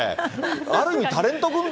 ある意味タレント軍団。